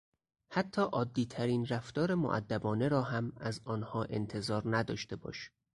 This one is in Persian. حتی عادیترین رفتار مودبانه را هم از آنها انتظار نداشته باش.